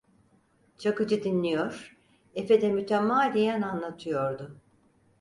Çakıcı dinliyor, efe de mütemadiyen anlatıyordu.